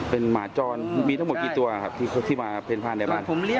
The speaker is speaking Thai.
เป็นหมาจรมีทั้งหมดกี่ตัวครับที่มาเพ่นผ้านในบ้าน